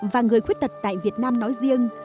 và người khuyết tật tại việt nam nói riêng